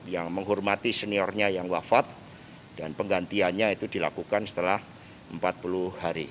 yang menghormati seniornya yang wafat dan penggantiannya itu dilakukan setelah empat puluh hari